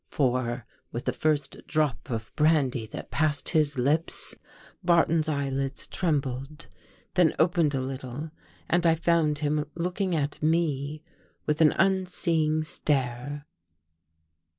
For, with the first drop of brandy that passed his lips. Barton's eyelids trembled, then opened a little and I found him looking at me with an unseeing stare.